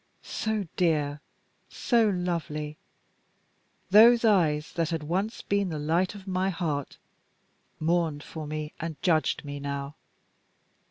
So dear, so lovely those eyes that had once been the light of my heart, mourned for me and judged me now.